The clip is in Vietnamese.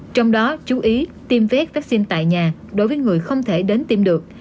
trong đó chú ý tiêm phép vaccine tại nhà đối với người không thể đến tiêm được